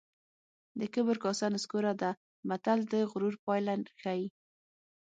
د کبر کاسه نسکوره ده متل د غرور پایله ښيي